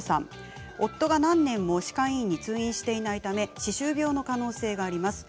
夫が何年も歯科医院に通院していないため歯周病の可能性があります。